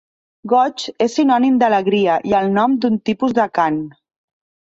Goig és sinònim d'alegria i el nom d'un tipus de cant.